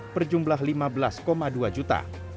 berjumlah lima belas dua juta